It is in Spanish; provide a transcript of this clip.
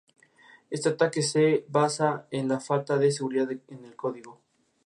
Este ataque se basa en la falta de seguridad en el código.